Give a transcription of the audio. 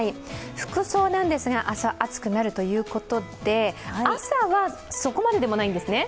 服装なんですが、明日は暑くなるということで朝はそこまででもないんですね？